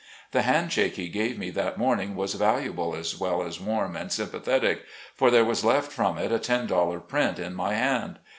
The hand shake he gave me that morn ing was valuable as well as warm and sympathetic, for there was left from it a ten dollar print in my hand.